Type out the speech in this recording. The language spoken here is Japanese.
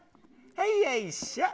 はい、よいしょ。